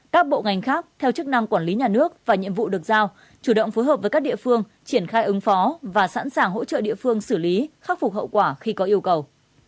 các bộ ngành khác theo chức năng quản lý nhà nước và nhiệm vụ được giao chủ động phối hợp với các địa phương triển khai ứng phó và sẵn sàng hỗ trợ địa phương xử lý khắc phục hậu quả khi có yêu cầu